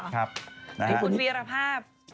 คุณวีรภาพ